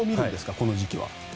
この時期は。